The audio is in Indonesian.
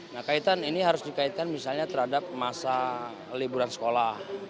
nah kaitan ini harus dikaitkan misalnya terhadap masa liburan sekolah